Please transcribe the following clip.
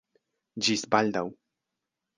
Ĝis baldaŭ!